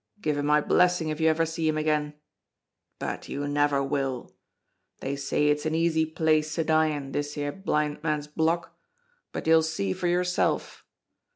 Give him my blessing if you ever see him again; but you never will. They say it's an easy place to die in, this here Blind Man's Block, but you'll see for yourself.